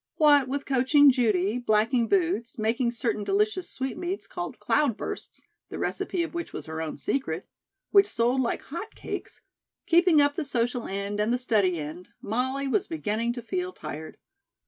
What with coaching Judy, blacking boots, making certain delicious sweetmeats called "cloudbursts," the recipe of which was her own secret, which sold like hot cakes; keeping up the social end and the study end, Molly was beginning to feel tired.